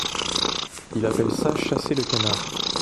Il appelle ça chasser le canard !